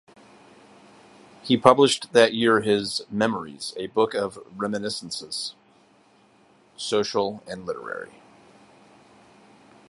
He published that year his "Memories", a book of reminiscences, social and literary.